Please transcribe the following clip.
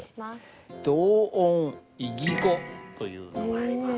同音異義語というのがあります。